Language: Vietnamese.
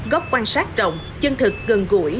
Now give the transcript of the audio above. góc quan sát rộng chân thực gần gũi